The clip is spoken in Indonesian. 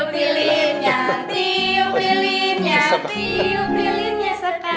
tiup pilihnya sekarang